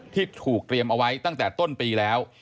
ที่ถูกเตรียมเอาไว้ตั้งแต่ต้นปีแล้ว